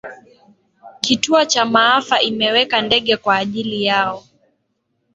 kituo cha maafa imeweka ndege kwa ajili yao